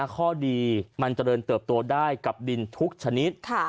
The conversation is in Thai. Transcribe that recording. ข้อดีมันเจริญเติบโตได้กับดินทุกชนิด